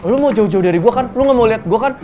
lu mau jauh jauh dari gua kan lu gak mau liat gua kan